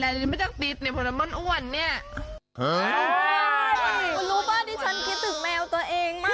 คุณรู้ป่ะนี่ฉันคิดถึงแมวตัวเองมากเลย